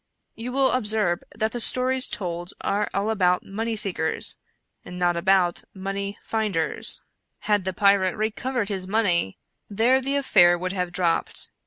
You will observe that the stories told are all about money seekers, not about money finders. Had the pirate recovered his money, there the affair would have dropped.